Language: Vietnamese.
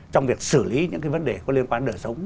trong việc xử lý những cái vấn đề có liên quan đời sống